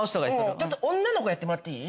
ちょっと女の子やってもらっていい？